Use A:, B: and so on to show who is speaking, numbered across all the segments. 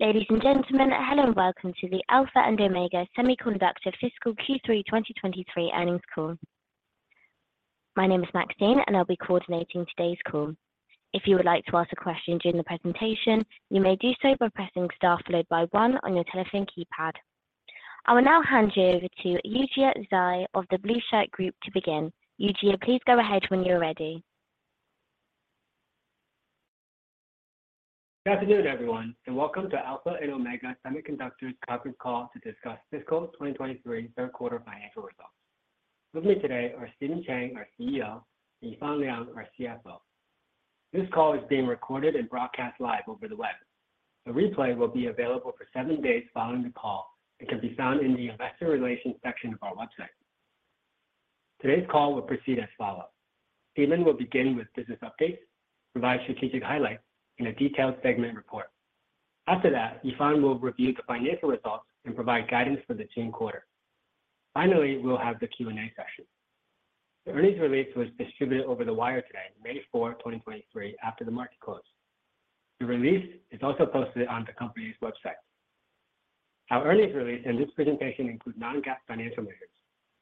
A: Ladies and gentlemen, hello and welcome to the Alpha and Omega Semiconductor fiscal Q3 2023 earnings call. My name is Maxine and I'll be coordinating today's call. If you would like to ask a question during the presentation, you may do so by pressing star followed by one on your telephone keypad. I will now hand you over to Yujia Zhai of The Blueshirt Group to begin. Yujia, please go ahead when you're ready.
B: Good afternoon, everyone, and welcome to Alpha and Omega Semiconductor's conference call to discuss fiscal 2023 third quarter financial results. With me today are Stephen Chang, our CEO, and Yifan Liang, our CFO. This call is being recorded and broadcast live over the web. A replay will be available for seven days following the call and can be found in the investor relations section of our website. Today's call will proceed as follows: Stephen will begin with business updates, provide strategic highlights in a detailed segment report. After that, Yifan will review the financial results and provide guidance for the June quarter. Finally, we'll have the Q&A session. The earnings release was distributed over the wire today, May 4, 2023, after the market closed. The release is also posted on the company's website. Our earnings release and this presentation include non-GAAP financial measures.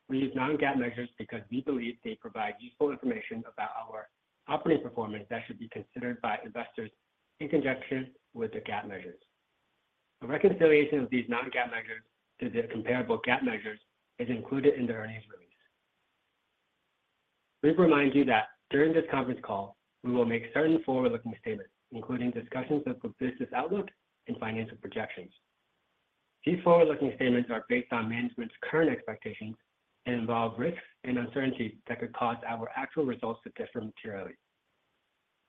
B: We use non-GAAP measures because we believe they provide useful information about our operating performance that should be considered by investors in conjunction with the GAAP measures. A reconciliation of these non-GAAP measures to their comparable GAAP measures is included in the earnings release. Please remind you that during this conference call, we will make certain forward-looking statements, including discussions of the business outlook and financial projections. These forward-looking statements are based on management's current expectations and involve risks and uncertainties that could cause our actual results to differ materially.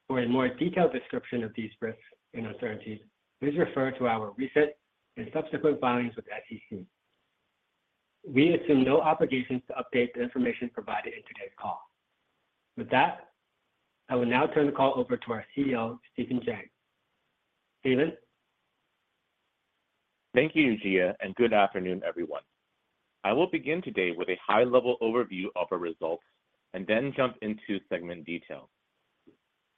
B: For a more detailed description of these risks and uncertainties, please refer to our recent and subsequent filings with the SEC. We assume no obligations to update the information provided in today's call. With that, I will now turn the call over to our CEO, Stephen Chang. Stephen?
C: Thank you, Yujia. Good afternoon, everyone. I will begin today with a high level overview of our results and then jump into segment detail.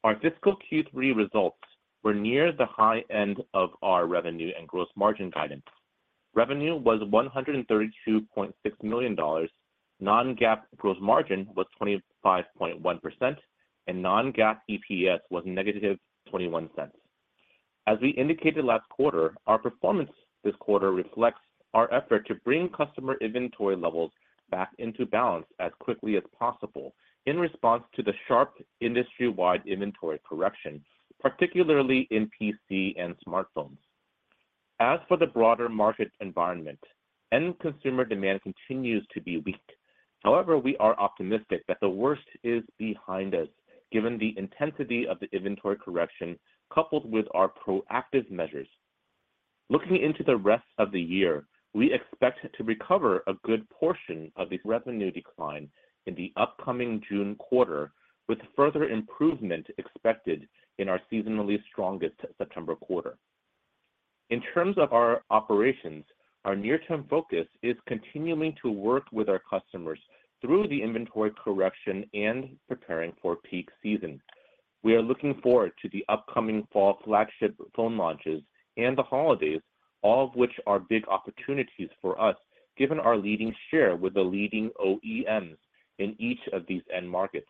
C: Our fiscal Q three results were near the high end of our revenue and gross margin guidance. Revenue was $132.6 million. Non-GAAP gross margin was 25.1%, and non-GAAP EPS was negative $0.21. As we indicated last quarter, our performance this quarter reflects our effort to bring customer inventory levels back into balance as quickly as possible in response to the sharp industry-wide inventory correction, particularly in PC and smartphones. As for the broader market environment, end consumer demand continues to be weak. We are optimistic that the worst is behind us, given the intensity of the inventory correction, coupled with our proactive measures. Looking into the rest of the year, we expect to recover a good portion of the revenue decline in the upcoming June quarter, with further improvement expected in our seasonally strongest September quarter. In terms of our operations, our near-term focus is continuing to work with our customers through the inventory correction and preparing for peak season. We are looking forward to the upcoming fall flagship phone launches and the holidays, all of which are big opportunities for us given our leading share with the leading OEMs in each of these end markets.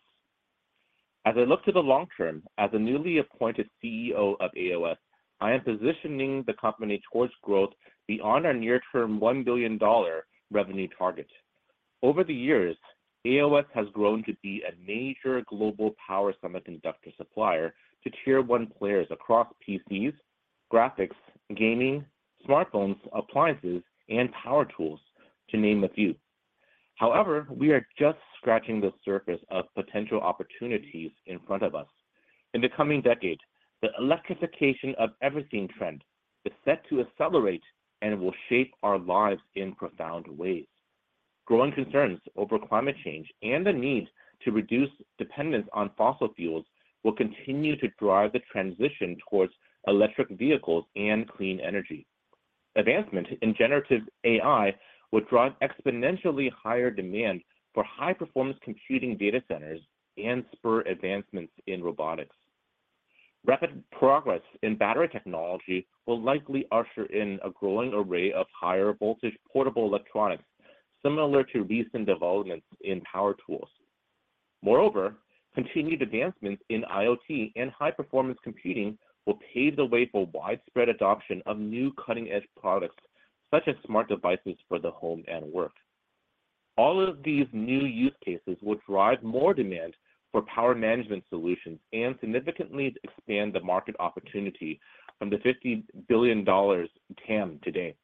C: As I look to the long term as a newly appointed CEO of AOS, I am positioning the company towards growth beyond our near term $1 billion revenue target. Over the years, AOS has grown to be a major global power semiconductor supplier to tier one players across PCs, graphics, gaming, smartphones, appliances, and power tools to name a few. However, we are just scratching the surface of potential opportunities in front of us. In the coming decade, the electrification of everything trend is set to accelerate and will shape our lives in profound ways. Growing concerns over climate change and the need to reduce dependence on fossil fuels will continue to drive the transition towards electric vehicles and clean energy. Advancement in generative AI will drive exponentially higher demand for high performance computing data centers and spur advancements in robotics. Rapid progress in battery technology will likely usher in a growing array of higher voltage portable electronics, similar to recent developments in power tools. Moreover, continued advancements in IoT and high performance computing will pave the way for widespread adoption of new cutting-edge products such as smart devices for the home and work. All of these new use cases will drive more demand for power management solutions and significantly expand the market opportunity from the $50 billion TAM today.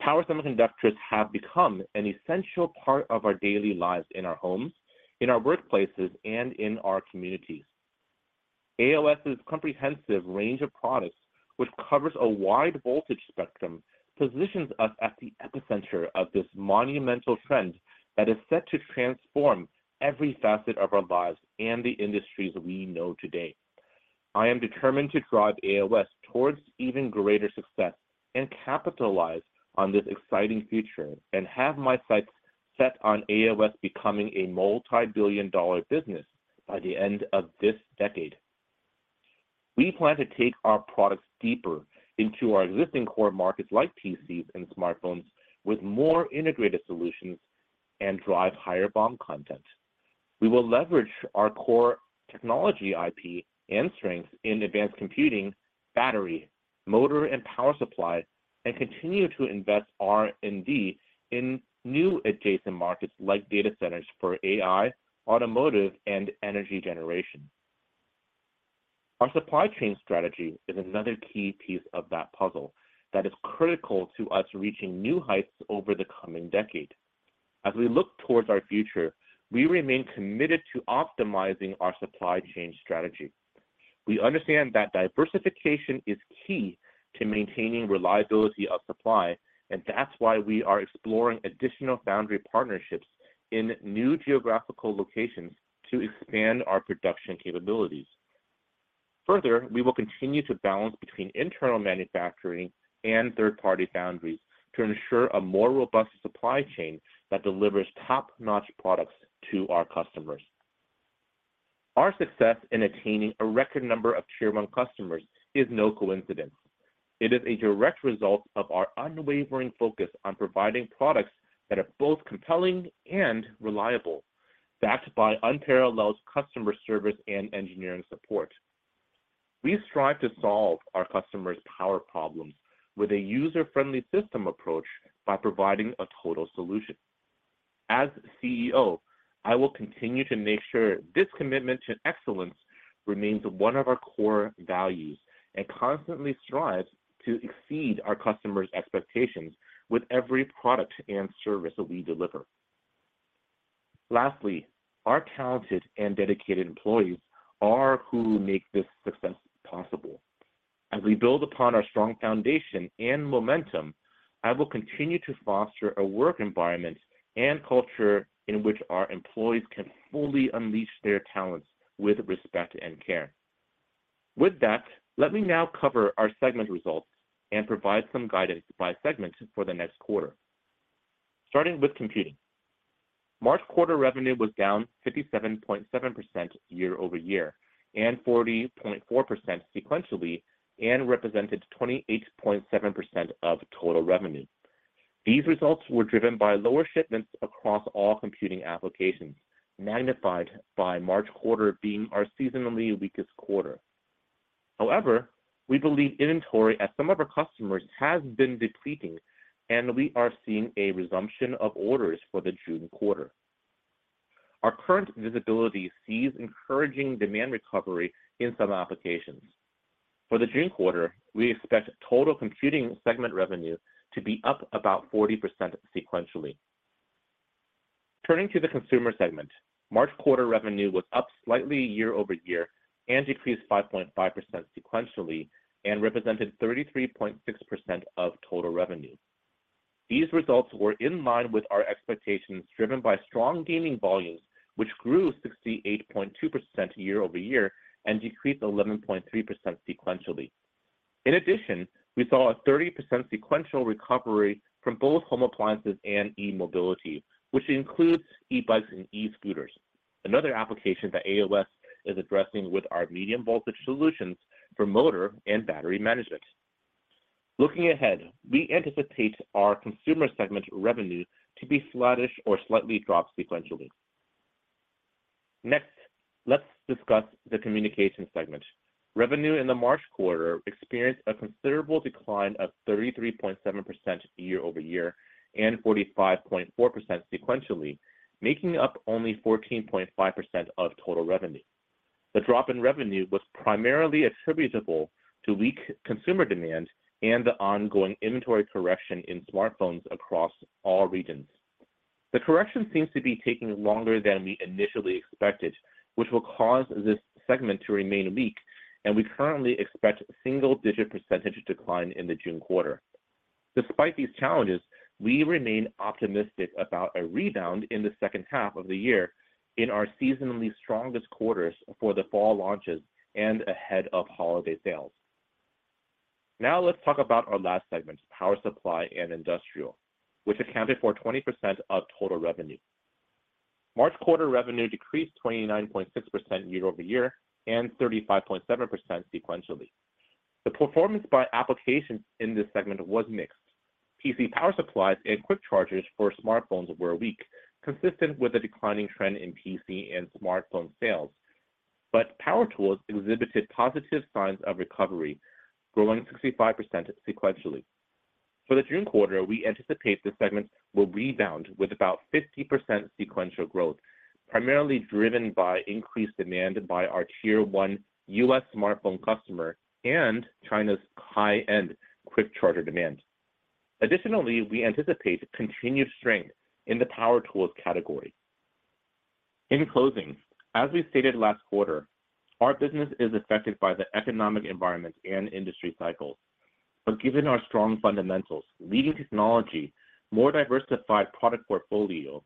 C: Power semiconductors have become an essential part of our daily lives in our homes, in our workplaces, and in our communities. AOS's comprehensive range of products, which covers a wide voltage spectrum, positions us at the epicenter of this monumental trend that is set to transform every facet of our lives and the industries we know today. I am determined to drive AOS towards even greater success and capitalize on this exciting future and have my sights set on AOS becoming a multi-billion dollar business by the end of this decade. We plan to take our products deeper into our existing core markets like PCs and smartphones with more integrated solutions and drive higher BOM content. We will leverage our core technology IP and strength in advanced computing, battery, motor and power supply, and continue to invest R&D in new adjacent markets like data centers for AI, automotive, and energy generation. Our supply chain strategy is another key piece of that puzzle that is critical to us reaching new heights over the coming decade. As we look towards our future, we remain committed to optimizing our supply chain strategy. We understand that diversification is key to maintaining reliability of supply, and that's why we are exploring additional foundry partnerships in new geographical locations to expand our production capabilities. Further, we will continue to balance between internal manufacturing and third-party foundries to ensure a more robust supply chain that delivers top-notch products to our customers. Our success in attaining a record number of tier one customers is no coincidence. It is a direct result of our unwavering focus on providing products that are both compelling and reliable, backed by unparalleled customer service and engineering support. We strive to solve our customers' power problems with a user-friendly system approach by providing a total solution. As CEO, I will continue to make sure this commitment to excellence remains one of our core values and constantly strive to exceed our customers' expectations with every product and service that we deliver. Lastly, our talented and dedicated employees are who make this success possible. As we build upon our strong foundation and momentum, I will continue to foster a work environment and culture in which our employees can fully unleash their talents with respect and care. With that, let me now cover our segment results and provide some guidance by segment for the next quarter. Starting with Computing. March quarter revenue was down 57.7% year-over-year and 40.4% sequentially and represented 28.7% of total revenue. These results were driven by lower shipments across all Computing applications, magnified by March quarter being our seasonally weakest quarter. However, we believe inventory at some of our customers has been depleting, and we are seeing a resumption of orders for the June quarter. Our current visibility sees encouraging demand recovery in some applications. For the June quarter, we expect total computing segment revenue to be up about 40% sequentially. Turning to the consumer segment, March quarter revenue was up slightly year-over-year and decreased 5.5% sequentially and represented 33.6% of total revenue. These results were in line with our expectations, driven by strong gaming volumes, which grew 68.2% year-over-year and decreased 11.3% sequentially. We saw a 30% sequential recovery from both home appliances and e-mobility, which includes e-bikes and e-scooters, another application that AOS is addressing with our medium voltage solutions for motor and battery management. Looking ahead, we anticipate our consumer segment revenue to be flattish or slightly drop sequentially. Next, let's discuss the communication segment. Revenue in the March quarter experienced a considerable decline of 33.7% year-over-year and 45.4% sequentially, making up only 14.5% of total revenue. The drop in revenue was primarily attributable to weak consumer demand and the ongoing inventory correction in smartphones across all regions. The correction seems to be taking longer than we initially expected, which will cause this segment to remain weak, and we currently expect single-digit percentage decline in the June quarter. Despite these challenges, we remain optimistic about a rebound in the second half of the year in our seasonally strongest quarters for the fall launches and ahead of holiday sales. Now, let's talk about our last segment, Power Supply and Industrial, which accounted for 20% of total revenue. March quarter revenue decreased 29.6% year-over-year and 35.7% sequentially. The performance by applications in this segment was mixed. PC power supplies and quick chargers for smartphones were weak, consistent with the declining trend in PC and smartphone sales. Power tools exhibited positive signs of recovery, growing 65% sequentially. For the June quarter, we anticipate the segment will rebound with about 50% sequential growth, primarily driven by increased demand by our tier one US smartphone customer and China's high-end quick charger demand. Additionally, we anticipate continued strength in the power tools category. In closing, as we stated last quarter, our business is affected by the economic environment and industry cycles. Given our strong fundamentals, leading technology, more diversified product portfolio,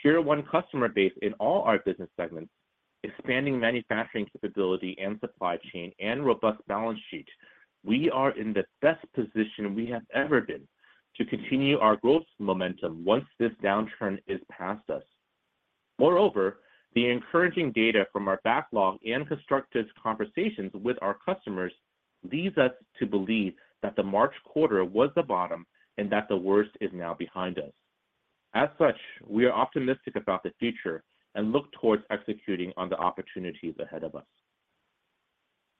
C: tier one customer base in all our business segments, expanding manufacturing capability and supply chain and robust balance sheet, we are in the best position we have ever been to continue our growth momentum once this downturn is past us. Moreover, the encouraging data from our backlog and constructive conversations with our customers leads us to believe that the March quarter was the bottom and that the worst is now behind us. As such, we are optimistic about the future and look towards executing on the opportunities ahead of us.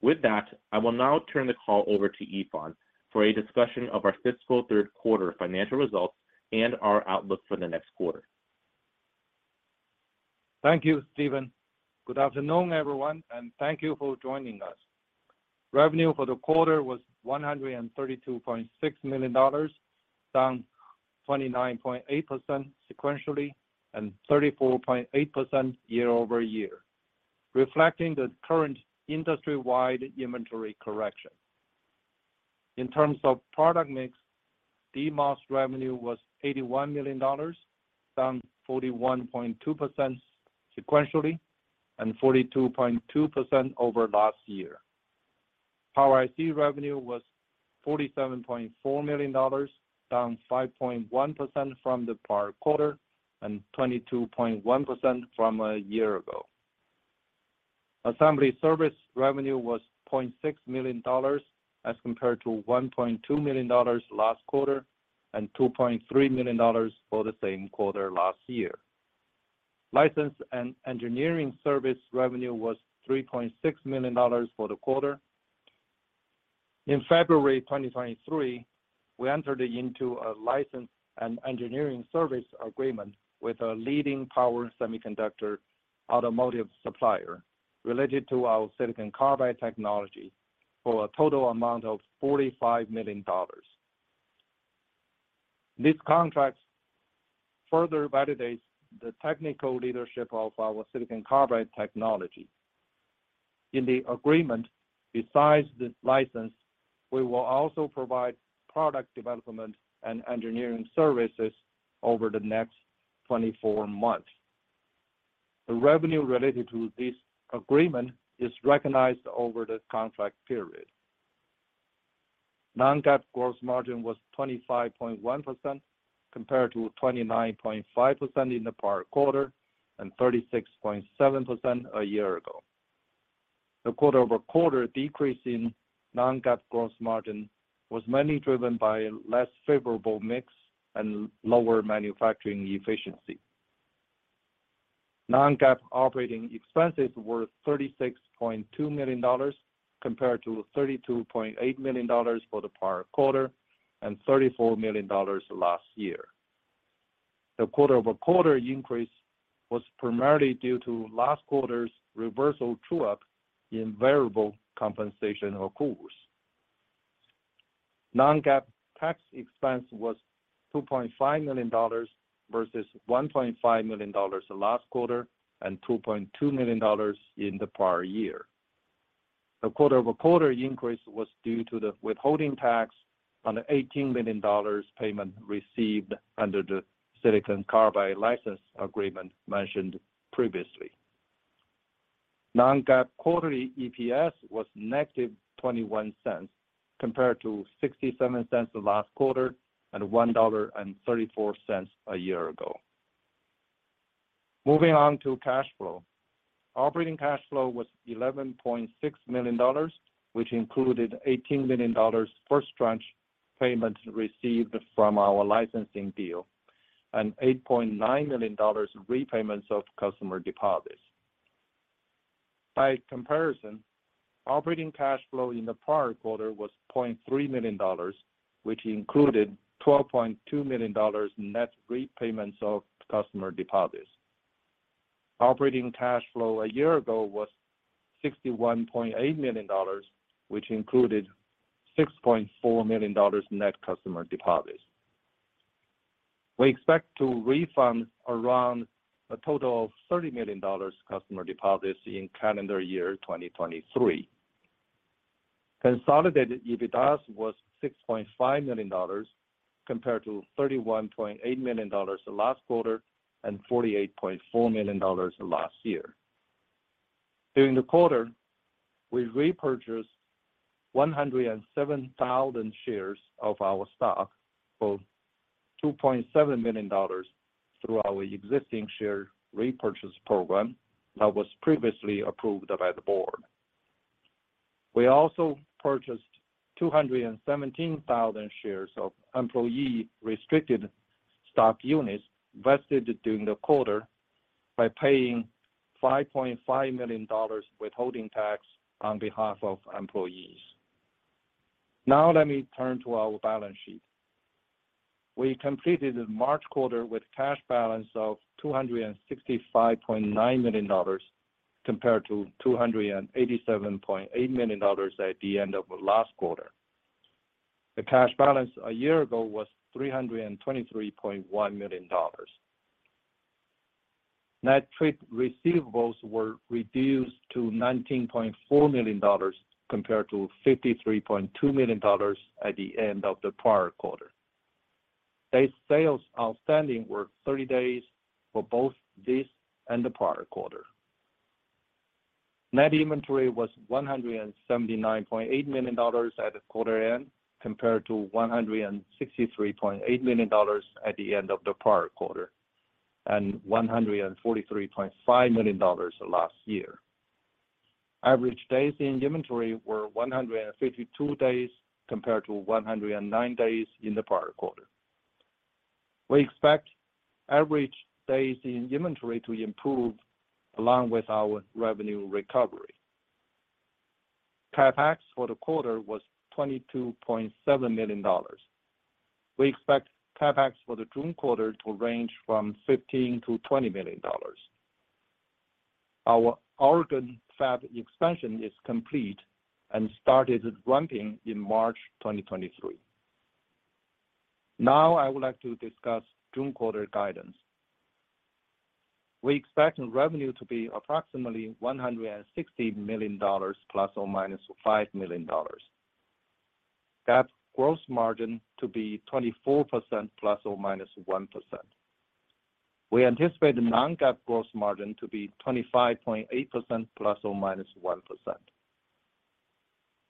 C: With that, I will now turn the call over to Yifan for a discussion of our fiscal third quarter financial results and our outlook for the next quarter.
D: Thank you, Stephen. Good afternoon, everyone, thank you for joining us. Revenue for the quarter was $132.6 million, down 29.8% sequentially and 34.8% year-over-year, reflecting the current industry-wide inventory correction. In terms of product mix, DMOS revenue was $81 million, down 41.2% sequentially and 42.2% over last year. Power IC revenue was $47.4 million, down 5.1% from the prior quarter and 22.1% from a year ago. Assembly service revenue was $0.6 million as compared to $1.2 million last quarter and $2.3 million for the same quarter last year. License and engineering service revenue was $3.6 million for the quarter. In February 2023, we entered into a license and engineering service agreement with a leading power semiconductor automotive supplier related to our silicon carbide technology for a total amount of $45 million. This contract further validates the technical leadership of our silicon carbide technology. In the agreement, besides the license, we will also provide product development and engineering services over the next 24 months. The revenue related to this agreement is recognized over the contract period. Non-GAAP gross margin was 25.1% compared to 29.5% in the prior quarter and 36.7% a year ago. The quarter-over-quarter decrease in non-GAAP gross margin was mainly driven by a less favorable mix and lower manufacturing efficiency. Non-GAAP operating expenses were $36.2 million compared to $32.8 million for the prior quarter and $34 million last year. The quarter-over-quarter increase was primarily due to last quarter's reversal true-up in variable compensation accruals. non-GAAP tax expense was $2.5 million versus $1.5 million last quarter and $2.2 million in the prior year. The quarter-over-quarter increase was due to the withholding tax on the $18 million payment received under the silicon carbide license agreement mentioned previously. non-GAAP quarterly EPS was -$0.21 compared to $0.67 last quarter and $1.34 a year ago. Moving on to cash flow. Operating cash flow was $11.6 million, which included $18 million first tranche payments received from our licensing deal and $8.9 million repayments of customer deposits. By comparison, operating cash flow in the prior quarter was $0.3 million, which included $12.2 million net repayments of customer deposits. Operating cash flow a year ago was $61.8 million, which included $6.4 million net customer deposits. We expect to refund around a total of $30 million customer deposits in calendar year 2023. Consolidated EBITDA was $6.5 million compared to $31.8 million last quarter and $48.4 million last year. During the quarter, we repurchased 107,000 shares of our stock for $2.7 million through our existing share repurchase program that was previously approved by the board. We also purchased 217,000 shares of employee restricted stock units vested during the quarter by paying $5.5 million withholding tax on behalf of employees. Let me turn to our balance sheet. We completed the March quarter with cash balance of $265.9 million compared to $287.8 million at the end of last quarter. The cash balance a year ago was $323.1 million. Net trade receivables were reduced to $19.4 million compared to $53.2 million at the end of the prior quarter. Day sales outstanding were 30 days for both this and the prior quarter. Net inventory was $179.8 million at the quarter end, compared to $163.8 million at the end of the prior quarter, and $143.5 million last year. Average days in inventory were 152 days compared to 109 days in the prior quarter. We expect average days in inventory to improve along with our revenue recovery. CapEx for the quarter was $22.7 million. We expect CapEx for the June quarter to range from $15 million-$20 million. Our Oregon fab expansion is complete and started ramping in March 2023. I would like to discuss June quarter guidance. We expect revenue to be approximately $160 million ±$5 million. GAAP gross margin to be 24% ±1%. We anticipate the non-GAAP gross margin to be 25.8% ±1%.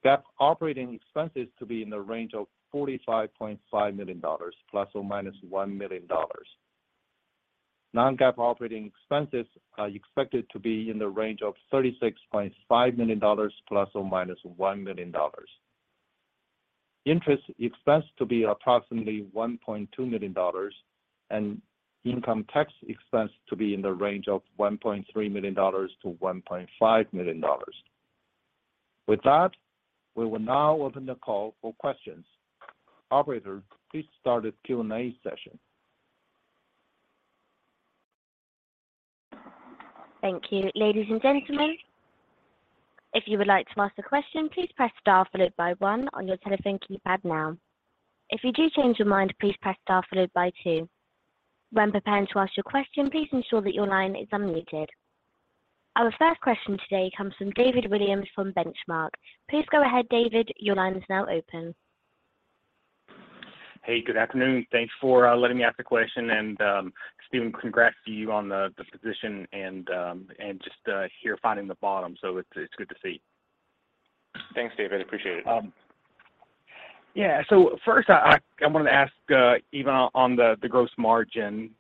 D: GAAP operating expenses to be in the range of $45.5 million ±$1 million. Non-GAAP operating expenses are expected to be in the range of $36.5 million ±$1 million. Interest expense to be approximately $1.2 million and income tax expense to be in the range of $1.3 million-$1.5 million. With that, we will now open the call for questions. Operator, please start the Q&A session.
A: Thank you. Ladies and gentlemen, if you would like to ask a question, please press star followed by one on your telephone keypad now. If you do change your mind, please press star followed by two. When preparing to ask your question, please ensure that your line is unmuted. Our first question today comes from David Williams from Benchmark. Please go ahead, David. Your line is now open.
E: Hey, good afternoon. Thanks for letting me ask the question. Stephen, congrats to you on the position and just, here finding the bottom. It's good to see.
C: Thanks, David. Appreciate it.
E: Yeah. First I wanted to ask, even on the gross margin,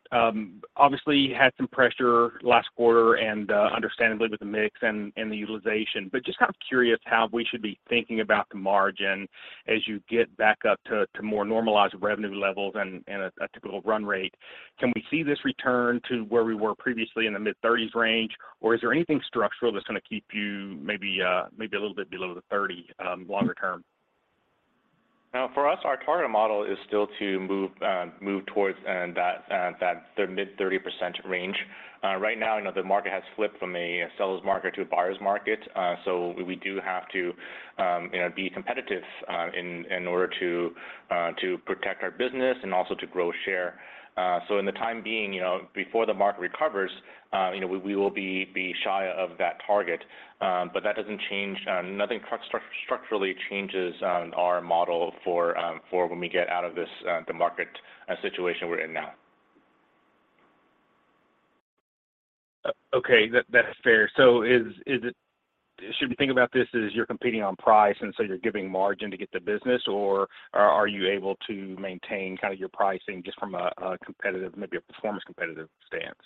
E: obviously you had some pressure last quarter and understandably with the mix and the utilization, but just kind of curious how we should be thinking about the margin as you get back up to more normalized revenue levels and a typical run rate. Can we see this return to where we were previously in the mid-30s range? Is there anything structural that's gonna keep you maybe a little bit below the 30 longer term?
C: For us, our target model is still to move towards that mid-30% range. Right now, you know, the market has flipped from a seller's market to a buyer's market. We do have to, you know, be competitive in order to protect our business and also to grow share. In the time being, you know, before the market recovers, you know, we will be shy of that target. That doesn't change, nothing structurally changes our model for when we get out of this market situation we're in now.
E: Okay. That, that's fair. Is, is it... Should we think about this as you're competing on price, and so you're giving margin to get the business, or are you able to maintain kind of your pricing just from a competitive, maybe a performance competitive stance?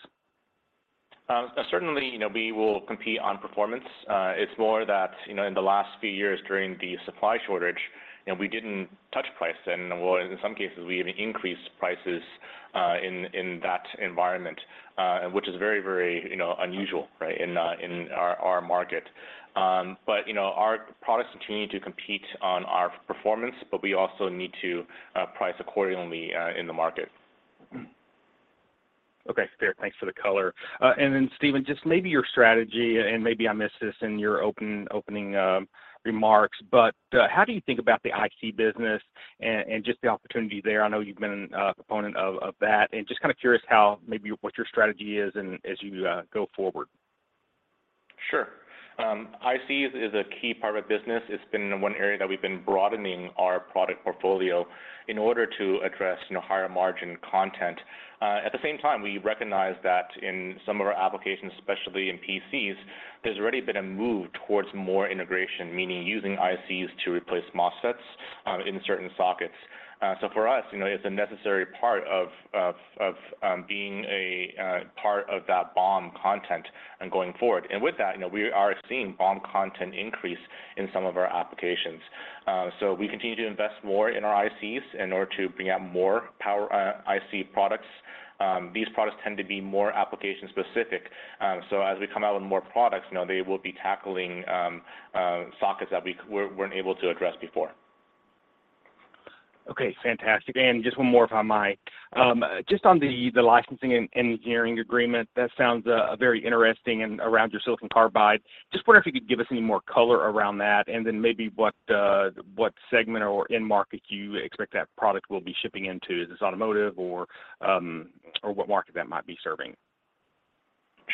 C: Certainly, you know, we will compete on performance. It's more that, you know, in the last few years during the supply shortage, you know, we didn't touch price and, well, in some cases we even increased prices, in that environment, which is very, very, you know, unusual, right, in our market. You know, our products continue to compete on our performance, but we also need to price accordingly, in the market.
E: Okay. Fair. Thanks for the color. Stephen, just maybe your strategy, and maybe I missed this in your opening remarks, how do you think about the IC business and just the opportunity there? I know you've been a proponent of that, and just kind of curious how maybe what your strategy is and as you go forward.
C: Sure. ICs is a key part of our business. It's been one area that we've been broadening our product portfolio in order to address, you know, higher margin content. At the same time, we recognize that in some of our applications, especially in PCs, there's already been a move towards more integration, meaning using ICs to replace MOSFETs in certain sockets. For us, you know, it's a necessary part of being a part of that BOM content and going forward. With that, you know, we are seeing BOM content increase in some of our applications. We continue to invest more in our ICs in order to bring out more Power IC products. These products tend to be more application specific. As we come out with more products, you know, they will be tackling sockets that we weren't able to address before.
E: Okay. Fantastic. Just one more, if I might. Just on the licensing engineering agreement, that sounds very interesting and around your silicon carbide. Just wonder if you could give us any more color around that, then maybe what segment or end market you expect that product will be shipping into. Is this automotive or what market that might be serving?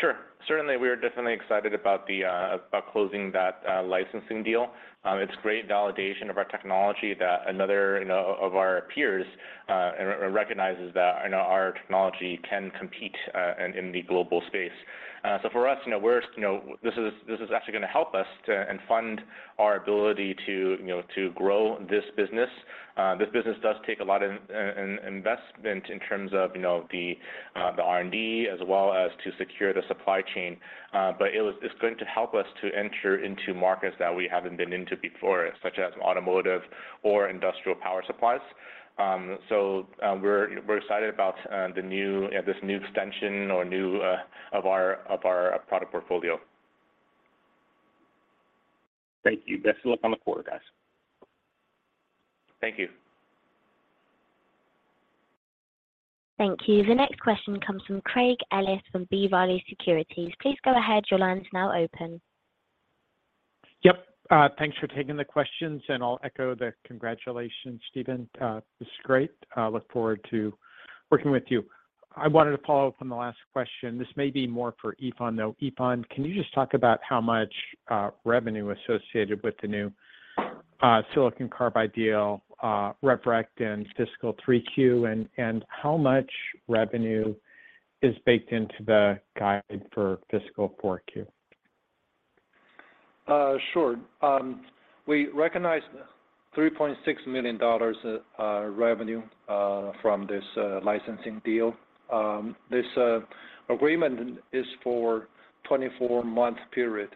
C: Sure. Certainly, we are definitely excited about the about closing that licensing deal. It's great validation of our technology that another, you know, of our peers recognizes that, you know, our technology can compete in the global space. For us, you know, we're, you know, this is, this is actually gonna help us to and fund our ability to, you know, to grow this business. This business does take a lot of investment in terms of, you know, the R&D, as well as to secure the supply chain. It's going to help us to enter into markets that we haven't been into before, such as automotive or industrial power supplies. We're, we're excited about the new, this new extension or new, of our product portfolio.
E: Thank you. Best of luck on the quarter, guys.
C: Thank you.
A: Thank you. The next question comes from Craig Ellis from B. Riley Securities. Please go ahead. Your line's now open.
F: Yep. Thanks for taking the questions. I'll echo the congratulations, Stephen. This is great. I look forward to working with you. I wanted to follow up on the last question. This may be more for Yifan, though. Yifan, can you just talk about how much revenue associated with the new silicon carbide deal recognized in fiscal 3Q, and how much revenue is baked into the guide for fiscal 4Q?
D: Sure. We recognized $3.6 million revenue from this licensing deal. This agreement is for 24-month period,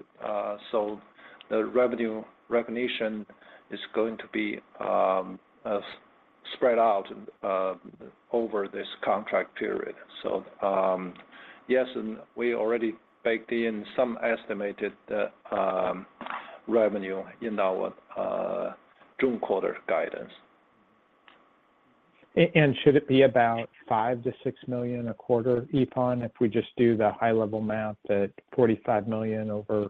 D: so the revenue recognition is going to be spread out over this contract period. Yes, and we already baked in some estimated revenue in our June quarter guidance.
F: Should it be about $5 million-$6 million a quarter, Yifan, if we just do the high level math at $45 million over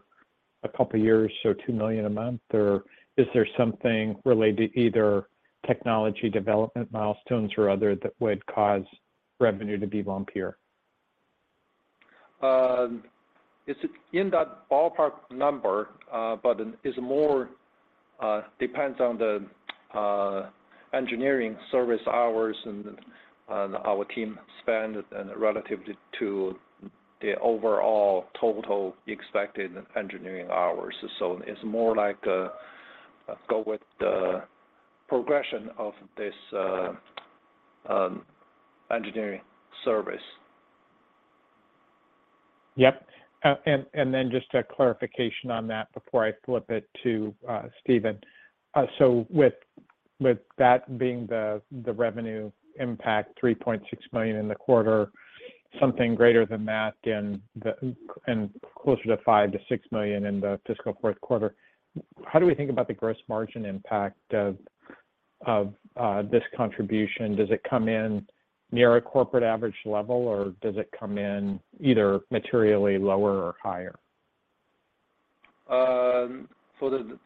F: a couple of years, so $2 million a month? Or is there something related to either technology development milestones or other that would cause revenue to be lumpier?
D: It's in that ballpark number, but it is more, depends on the engineering service hours and our team spend and relative to the overall total expected engineering hours. It's more like, go with the progression of this engineering service.
F: Yep. And then just a clarification on that before I flip it to Stephen. With that being the revenue impact, $3.6 million in the quarter, something greater than that and closer to $5 million-$6 million in the fiscal fourth quarter, how do we think about the gross margin impact of this contribution? Does it come in near a corporate average level, or does it come in either materially lower or higher?
D: For the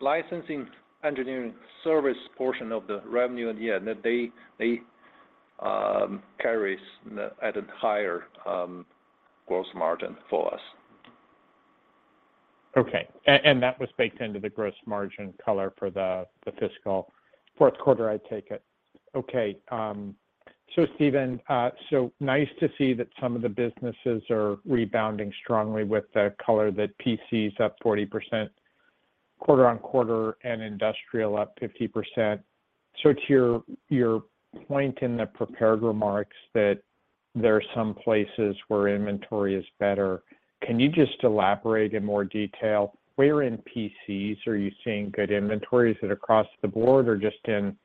D: licensing engineering service portion of the revenue, yeah, they carries at a higher, gross margin for us.
F: Okay. That was baked into the gross margin color for the fiscal fourth quarter, I take it. Okay. Stephen, so nice to see that some of the businesses are rebounding strongly with the color that PC is up 40% quarter-on-quarter and industrial up 50%. To your point in the prepared remarks that there are some places where inventory is better, can you just elaborate in more detail where in PCs are you seeing good inventory? Is it across the board or just in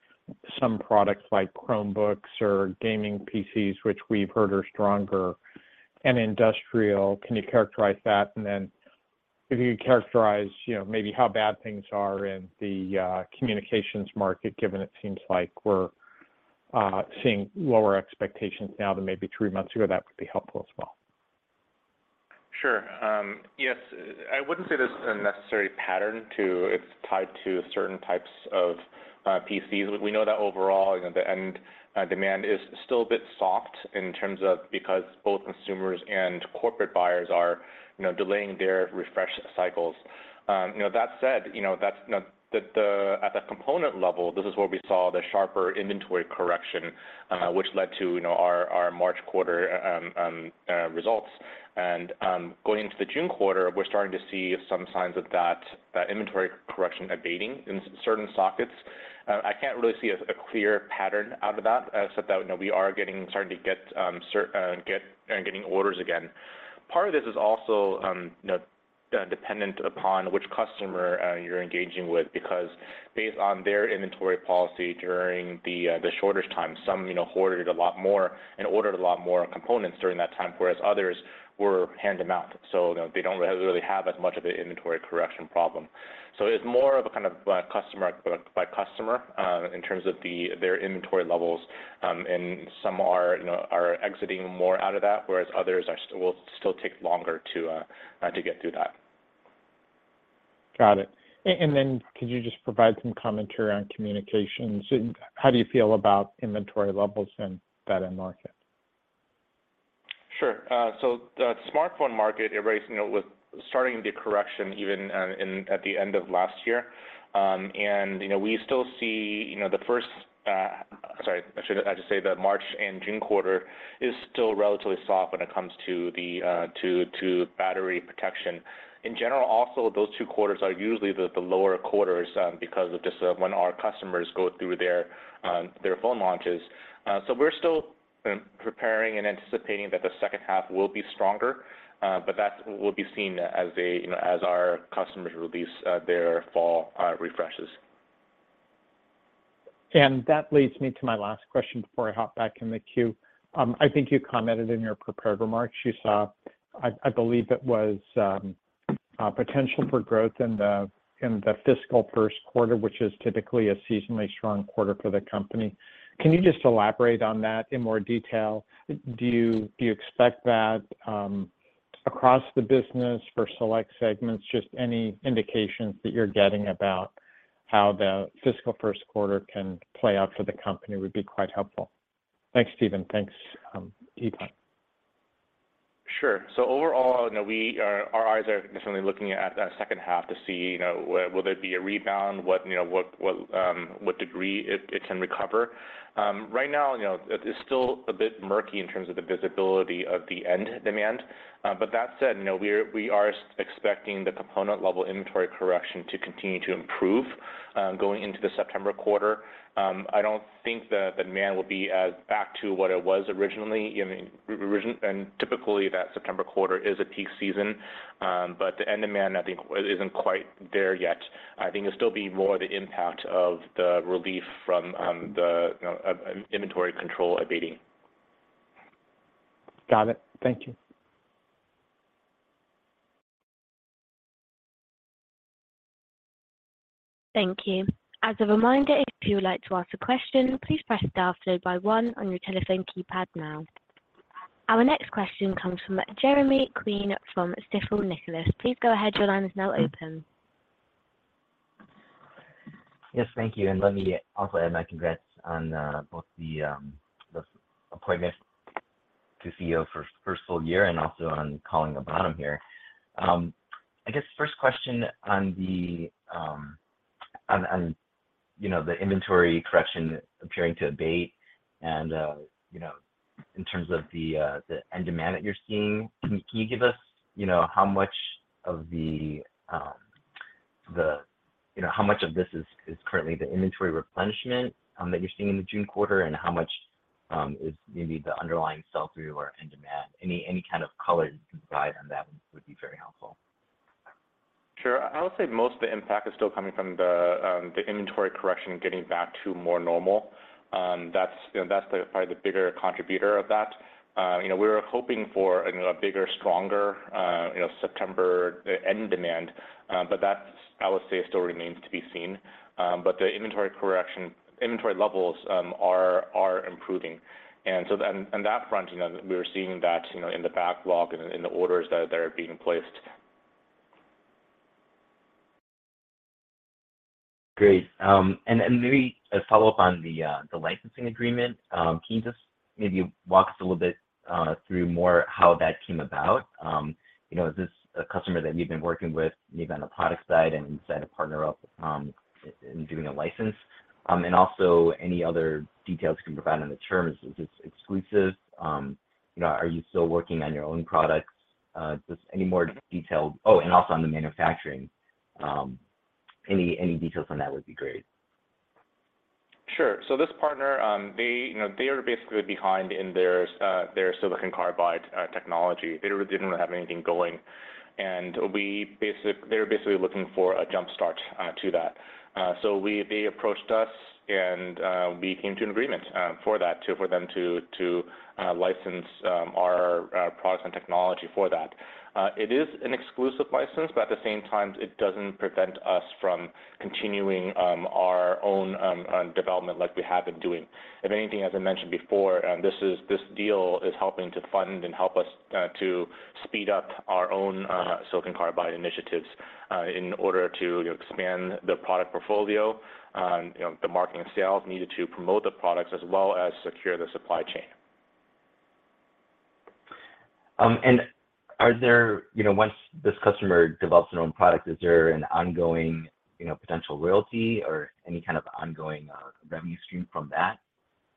F: some products like Chromebooks or gaming PCs, which we've heard are stronger? Industrial, can you characterize that? If you could characterize, you know, maybe how bad things are in the communications market, given it seems like we're seeing lower expectations now than maybe three months ago, that would be helpful as well.
C: Sure. Yes. I wouldn't say there's a necessary pattern to it's tied to certain types of PCs. We know that overall, you know, the end demand is still a bit soft in terms of because both consumers and corporate buyers are, you know, delaying their refresh cycles. You know, that said, you know, that's, you know, at the component level, this is where we saw the sharper inventory correction, which led to, you know, our March quarter results. Going into the June quarter, we're starting to see some signs of that inventory correction abating in certain sockets. I can't really see a clear pattern out of that, so that, you know, we are starting to get orders again. Part of this is also, you know, dependent upon which customer you're engaging with because based on their inventory policy during the shortage time, some, you know, hoarded a lot more and ordered a lot more components during that time, whereas others were hand them out, so they don't really have as much of an inventory correction problem. It's more of a kind of customer by customer in terms of their inventory levels, and some are, you know, are exiting more out of that, whereas others will still take longer to get through that.
F: Got it. Then could you just provide some commentary on communications? How do you feel about inventory levels in that end market?
C: Sure. So the smartphone market, everybody's, you know, was starting the correction even at the end of last year. You know, we still see, you know, the first... Sorry, I just say the March and June quarter is still relatively soft when it comes to the battery protection. In general, also, those two quarters are usually the lower quarters because of just when our customers go through their phone launches. We're still preparing and anticipating that the second half will be stronger, but that will be seen as a, you know, as our customers release their fall refreshes.
F: That leads me to my last question before I hop back in the queue. I think you commented in your prepared remarks, you saw, I believe it was, a potential for growth in the fiscal first quarter, which is typically a seasonally strong quarter for the company. Can you just elaborate on that in more detail? Do you expect that, across the business for select segments, just any indications that you're getting about how the fiscal first quarter can play out for the company would be quite helpful. Thanks, Stephen. Thanks, Yifan Liang.
C: Sure. Overall, you know, our eyes are definitely looking at that second half to see, you know, will there be a rebound, what, you know, what degree it can recover. Right now, you know, it's still a bit murky in terms of the visibility of the end demand. That said, you know, we are expecting the component level inventory correction to continue to improve going into the September quarter. I don't think that the demand will be as back to what it was originally, I mean, typically that September quarter is a peak season, the end of demand, I think isn't quite there yet. I think it'll still be more the impact of the relief from the, you know, inventory control abating.
F: Got it. Thank you.
A: Thank you. As a reminder, if you would like to ask a question, please press star followed by 1 on your telephone keypad now. Our next question comes from Jeremy Kwan from Stifel Nicolaus. Please go ahead. Your line is now open.
G: Yes, thank you. Let me also add my congrats on both the appointment to CEO first full year and also on calling the bottom here. I guess first question on the, on, you know, the inventory correction appearing to abate and, you know, in terms of the end demand that you're seeing, can you give us, you know, how much of the, you know, how much of this is currently the inventory replenishment that you're seeing in the June quarter, and how much is maybe the underlying sell-through or end demand? Any kind of color you can provide on that would be very helpful.
C: Sure. I would say most of the impact is still coming from the inventory correction getting back to more normal. That's, you know, that's probably the bigger contributor of that. You know, we were hoping for a bigger, stronger, you know, September end demand, but that's, I would say, still remains to be seen. The inventory correction, inventory levels, are improving. On that front, you know, we're seeing that, you know, in the backlog and in the orders that are being placed.
G: Great. Maybe a follow-up on the licensing agreement. Can you just maybe walk us a little bit through more how that came about? You know, is this a customer that you've been working with maybe on the product side and you decide to partner up in doing a license? Also any other details you can provide on the terms. Is this exclusive? You know, are you still working on your own products? Just any more details. Also on the manufacturing, any details on that would be great.
C: Sure. This partner, they, you know, they are basically behind in their their silicon carbide technology. They really didn't have anything going. They were basically looking for a jump start to that. They approached us and we came to an agreement for them to license our products and technology for that. It is an exclusive license, but at the same time, it doesn't prevent us from continuing our own development like we have been doing. If anything, as I mentioned before, this deal is helping to fund and help us to speed up our own silicon carbide initiatives in order to expand the product portfolio, you know, the marketing and sales needed to promote the products as well as secure the supply chain.
G: Are there, you know, once this customer develops their own product, is there an ongoing, you know, potential royalty or any kind of ongoing revenue stream from that?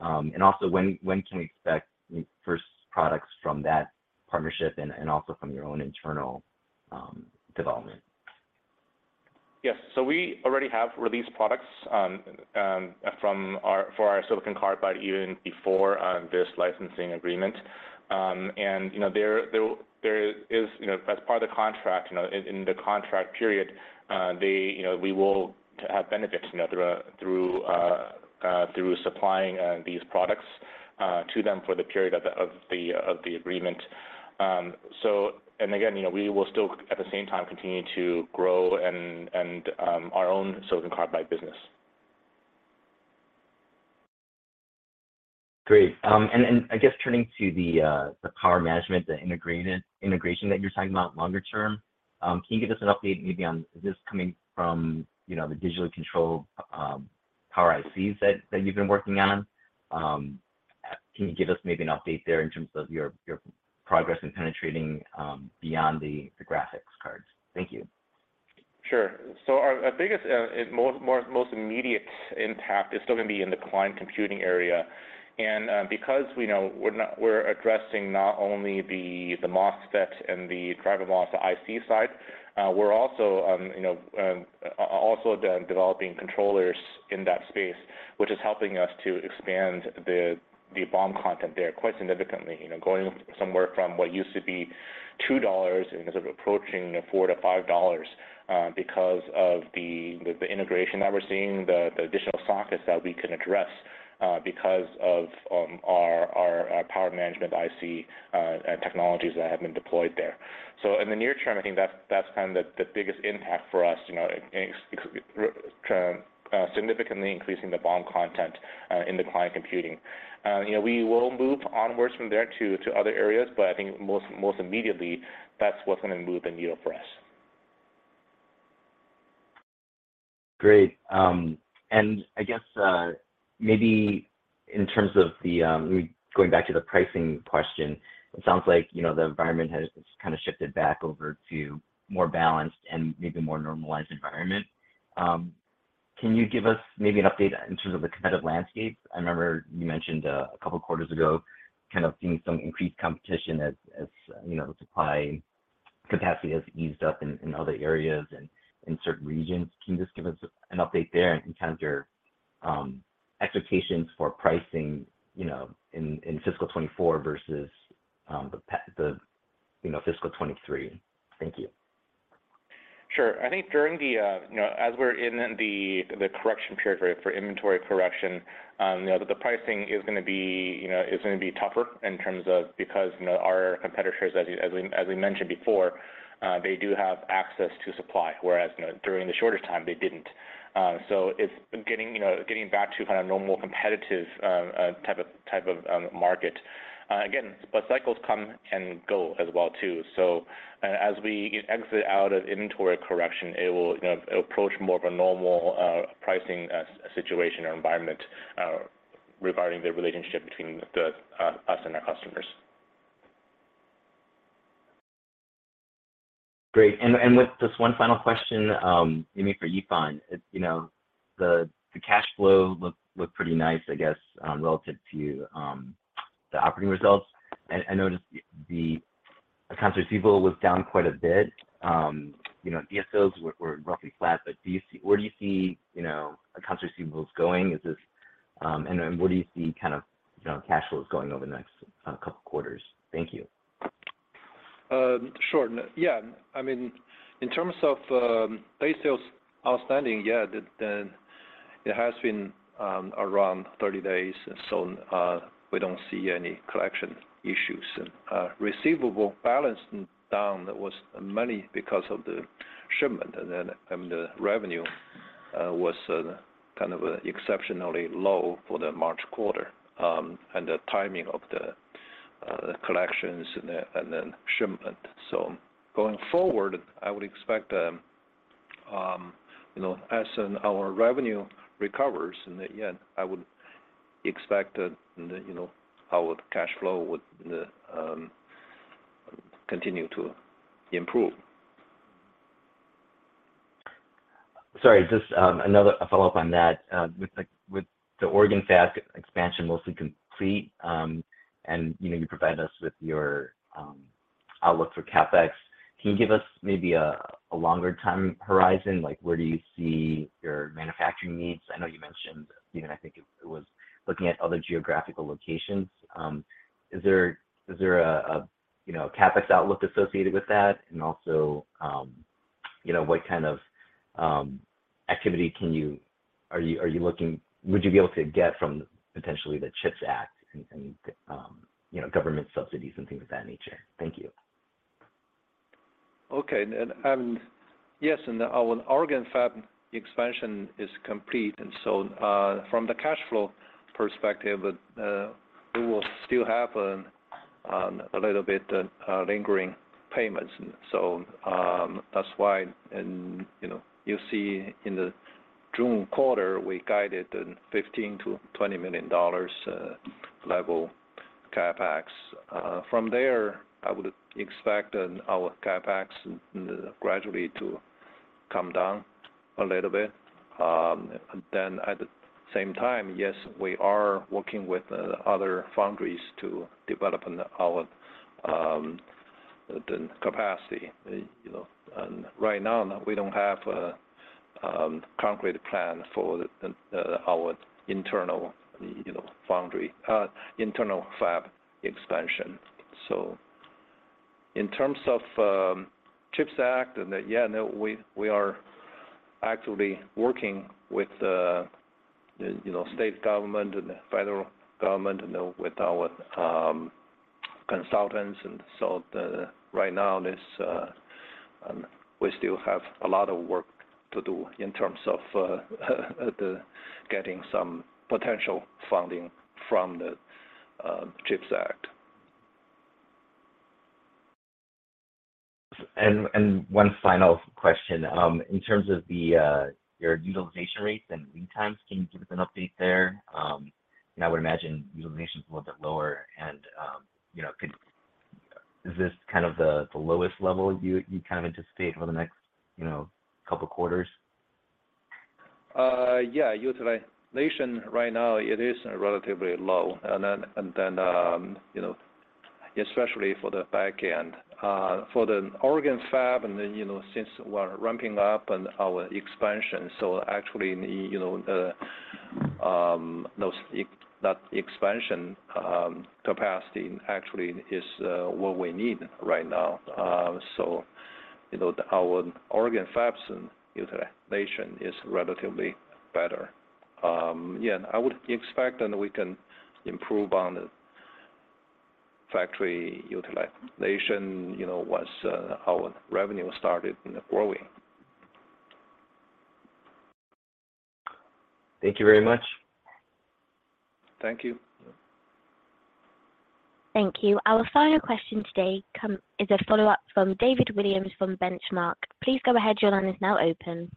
G: Also when can we expect first products from that partnership and also from your own internal development?
C: Yes. We already have released products, for our silicon carbide even before, this licensing agreement. You know, there is, you know, as part of the contract, you know, in the contract period, they, you know, we will have benefits, you know, through supplying, these products, to them for the period of the agreement. And again, you know, we will still, at the same time, continue to grow and our own silicon carbide business.
G: Great. I guess turning to the power management, the integrated integration that you're talking about longer term, can you give us an update maybe on is this coming from, you know, the digitally controlled Power ICs that you've been working on? Can you give us maybe an update there in terms of your progress in penetrating beyond the graphics cards? Thank you.
C: Sure. Our biggest, and most immediate impact is still gonna be in the client computing area. Because we know we're addressing not only the MOSFET and the driver MOSFET IC side, we're also, you know, also developing controllers in that space, which is helping us to expand the BOM content there quite significantly. You know, going somewhere from what used to be $2 and is approaching $4-$5, because of the integration that we're seeing, the additional sockets that we can address, because of our Power IC technologies that have been deployed there. In the near term, I think that's kind of the biggest impact for us, you know, significantly increasing the BOM content in the client computing. You know, we will move onwards from there to other areas, but I think most immediately that's what's gonna move the needle for us.
G: Great. I guess, maybe in terms of the going back to the pricing question, it sounds like, you know, the environment has just kind of shifted back over to more balanced and maybe more normalized environment. Can you give us maybe an update in terms of the competitive landscape? I remember you mentioned a couple of quarters ago kind of seeing some increased competition as, you know, supply capacity has eased up in other areas and in certain regions. Can you just give us an update there in terms of your expectations for pricing, you know, in fiscal 2024 versus, you know, fiscal 2023? Thank you.
C: Sure. I think during the, you know, as we're in the correction period for inventory correction, you know, the pricing is gonna be, you know, is gonna be tougher in terms of because, you know, our competitors, as we mentioned before, they do have access to supply, whereas, you know, during the shorter time they didn't. It's getting, you know, getting back to kind of normal competitive, type of market. Again, cycles come and go as well too. As we exit out of inventory correction, it will, you know, approach more of a normal, pricing as situation or environment, regarding the relationship between the, us and our customers.
G: Great. With this one final question, maybe for Yifan. You know, the cash flow looked pretty nice, I guess, relative to, the operating results. I noticed the accounts receivable was down quite a bit. You know, DSOs were roughly flat, but where do you see, you know, accounts receivables going? What do you see kind of, you know, cash flows going over the next couple quarters? Thank you.
D: Sure. I mean, in terms of day sales outstanding, it has been around 30 days, we don't see any collection issues. Receivable balance down was mainly because of the shipment, the revenue was kind of exceptionally low for the March quarter, and the timing of the collections and the shipment. Going forward, I would expect, you know, as our revenue recovers, I would expect that, you know, our cash flow would continue to improve.
G: Sorry, just another follow-up on that. With the Oregon fab expansion mostly complete, and you know, you provided us with your outlook for CapEx. Can you give us maybe a longer time horizon? Like, where do you see your manufacturing needs? I know you mentioned, Yifan, I think it was looking at other geographical locations. Is there a, you know, CapEx outlook associated with that? Also, you know, what kind of activity can you are you looking would you be able to get from potentially the CHIPS Act and, you know, government subsidies and things of that nature? Thank you.
D: Okay. Yes, our Oregon fab expansion is complete. From the cash flow perspective, we will still have a little bit lingering payments. That's why, you know, you see in the June quarter, we guided $15 million-$20 million level CapEx. From there, I would expect our CapEx gradually to come down a little bit. At the same time, yes, we are working with the other foundries to develop our the capacity. You know, right now, we don't have a concrete plan for the our internal, you know, foundry internal fab expansion. In terms of CHIPS Act, we are actively working with the, you know, state government and the federal government and with our Consultants. Right now this, we still have a lot of work to do in terms of getting some potential funding from the CHIPS Act.
G: One final question. In terms of your utilization rates and lead times, can you give us an update there? I would imagine utilization's a little bit lower and, you know, is this kind of the lowest level you kind of anticipate for the next, you know, couple quarters?
D: Yeah. Utilization right now, it is relatively low. You know, especially for the back end. For the Oregon Fab, you know, since we're ramping up and our expansion, actually need, you know, that expansion capacity actually is what we need right now. You know, our Oregon Fab's utilization is relatively better. Yeah, I would expect and we can improve on the factory utilization, you know, once our revenue started, you know, growing.
G: Thank you very much.
C: Thank you.
A: Thank you. Our final question today is a follow-up from David Williams from Benchmark. Please go ahead. Your line is now open.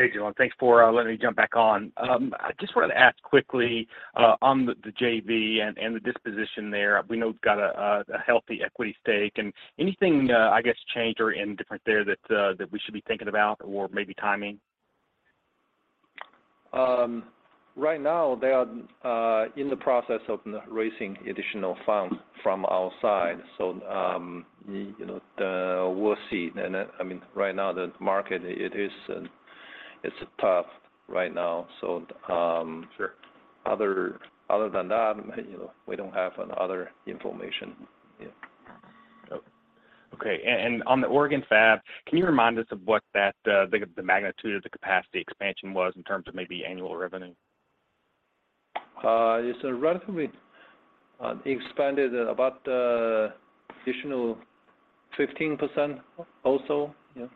E: Hey, Liang. Thanks for letting me jump back on. I just wanted to ask quickly on the JV and the disposition there, we know it's got a healthy equity stake. Anything, I guess, changed or any different there that we should be thinking about or maybe timing?
D: Right now they are in the process of raising additional funds from outside, so, you know, we'll see. I mean, right now the market it is, it's tough right now.
E: Sure
D: Other than that, you know, we don't have any other information. Yeah.
E: Okay. On the Oregon Fab, can you remind us of what that, the magnitude of the capacity expansion was in terms of maybe annual revenue?
D: It's relatively expanded about additional 15% also. Yeah.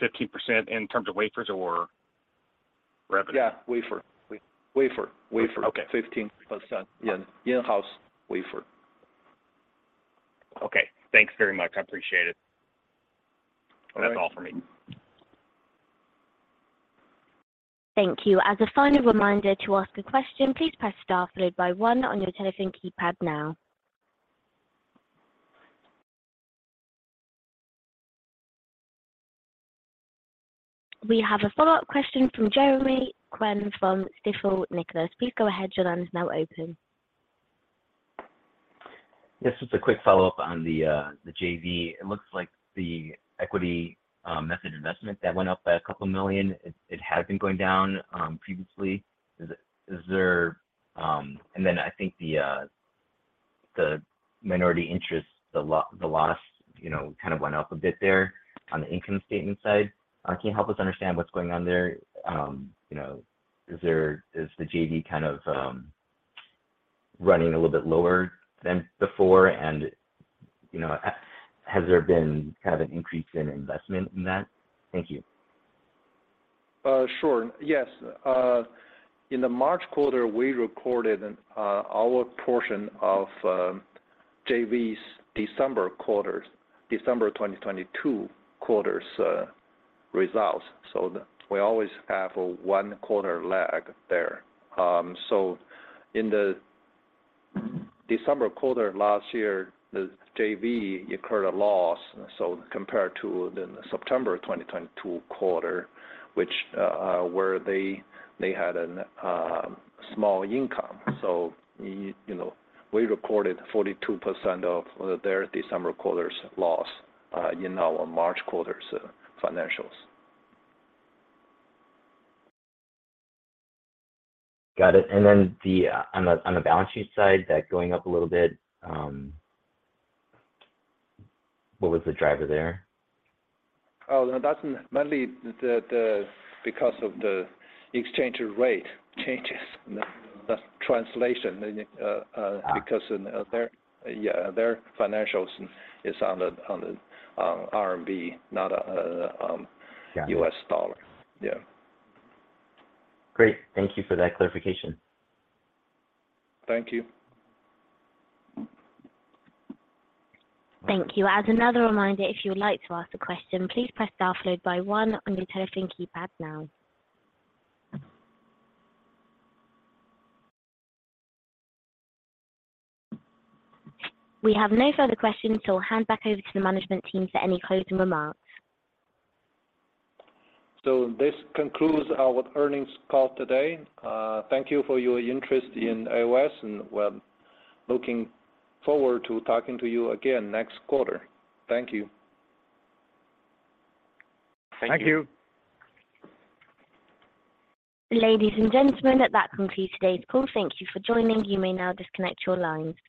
E: 15% in terms of wafers or revenue?
D: Yeah, wafer.
E: Wafer.
D: Wafer.
E: Okay.
D: 15%.
E: Yeah.
D: In-house wafer.
E: Okay. Thanks very much. I appreciate it.
D: All right.
E: That's all for me.
A: Thank you. As a final reminder to ask a question, please press star followed by one on your telephone keypad now. We have a follow-up question from Jeremy Kwan from Stifel Nicolaus. Please go ahead. Your line is now open.
G: Yes, just a quick follow-up on the JV. It looks like the equity method investment that went up by a couple million, it has been going down previously. I think the minority interest, the loss, you know, kind of went up a bit there on the income statement side. Can you help us understand what's going on there? You know, is there, is the JV kind of running a little bit lower than before? You know, has there been kind of an increase in investment in that? Thank you.
D: Sure. Yes. In the March quarter, we recorded our portion of JV's December quarter's, December 2022 quarter's results. We always have a one-quarter lag there. In the December quarter last year, the JV incurred a loss. Compared to the September 2022 quarter, which where they had a small income. You know, we recorded 42% of their December quarter's loss in our March quarter's financials.
G: Got it. On the balance sheet side, that going up a little bit, what was the driver there?
D: Oh, no, that's mainly the because of the exchange rate changes in the translation.
G: Ah
D: because in their, yeah, their financials is on the, on the, RMB not.
G: Yeah
D: US dollar. Yeah.
G: Great. Thank you for that clarification.
D: Thank you.
A: Thank you. As another reminder, if you would like to ask a question, please press star followed by one on your telephone keypad now. We have no further questions, so I'll hand back over to the management team for any closing remarks.
D: This concludes our earnings call today. Thank you for your interest in AOS, and we're looking forward to talking to you again next quarter. Thank you.
G: Thank you.
D: Thank you.
A: Ladies and gentlemen, that concludes today's call. Thank you for joining. You may now disconnect your lines.